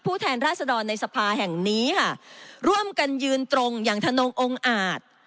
แทนราชดรในสภาแห่งนี้ค่ะร่วมกันยืนตรงอย่างทนงองค์อาจ